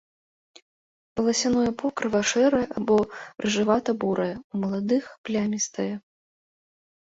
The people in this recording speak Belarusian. Валасяное покрыва шэрае або рыжавата-бурае, у маладых плямістае.